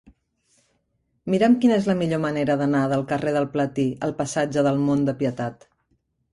Mira'm quina és la millor manera d'anar del carrer del Platí al passatge del Mont de Pietat.